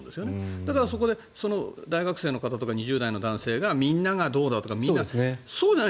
だから、大学生の方とか２０代の男性がみんながどうだとかそうじゃない。